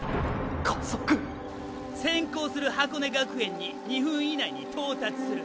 加速⁉先行する箱根学園に２分以内に到達する！